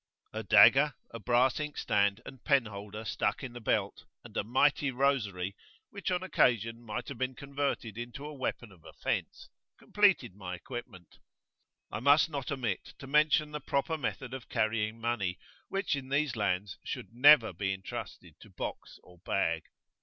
A dagger,[FN#13] a brass inkstand and pen holder [p.25]stuck in the belt, and a mighty rosary, which on occasion might have been converted into a weapon of offence, completed my equipment. I must not omit to mention the proper method of carrying money, which in these lands should never be entrusted to box or bag.